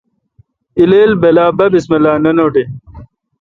الیل بلا با بسم اللہ۔ نہ نوٹیں